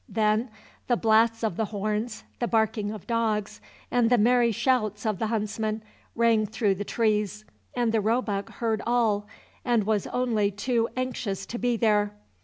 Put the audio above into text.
Then the blasts of the horns, the barking of dogs, and the merry shouts of the huntsmen rang through the trees, and the roebuck heard all, and was only too anxious to be there.